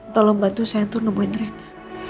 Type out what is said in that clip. tolong bantu saya tuh nemuin re inna